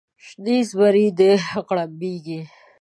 شنې زمرۍ غړمبیږې